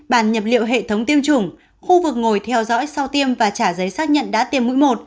bàn nhập liệu hệ thống tiêm chủng khu vực ngồi theo dõi sau tiêm và trả giấy xác nhận đã tiêm mũi một